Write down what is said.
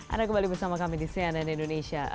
anda kembali bersama kami di cnn indonesia